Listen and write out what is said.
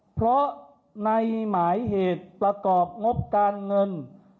เพราะในหมายเหตุประกอบงบการเงิน